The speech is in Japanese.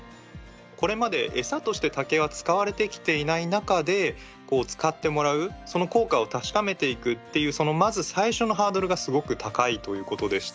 これまでエサとして竹は使われてきていない中でこう使ってもらうその効果を確かめていくっていうそのまず最初のハードルがすごく高いということでした。